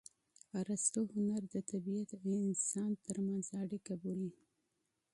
ارستو هنر د طبیعت او انسان ترمنځ اړیکه بولي